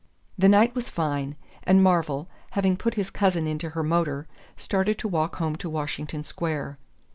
The night was fine, and Marvell, having put his cousin into her motor, started to walk home to Washington Square.